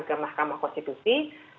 ke mahkamah konstitusi